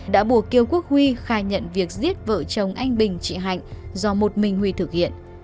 đã bùa kiêu quốc huy khai nhận việc giết vợ chồng anh bình chị hạnh do một mình huy thực hiện